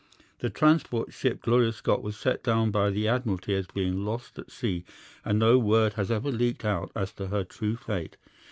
The transport ship Gloria Scott was set down by the Admiralty as being lost at sea, and no word has ever leaked out as to her true fate.